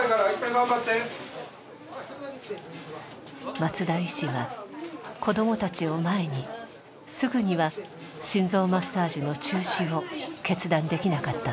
松田医師は子どもたちを前にすぐには心臓マッサージの中止を決断できなかったのです。